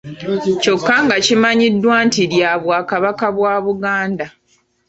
Kyokka nga kimanyiddwa nti lya Bwakabaka bwa Buganda.